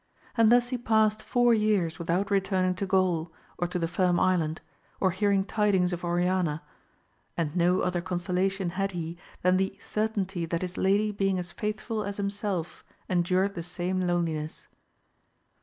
and thus he passed four years without returning to Gaul, or to the Firm Island, or hearing tidings of Oriana, and no other consolation had he than the certainty that his lady being as faithful as himself endured the same loneliness.